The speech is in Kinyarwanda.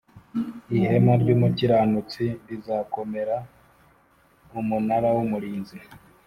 Ihema ry umukiranutsi rizakomera umunara w umurinzi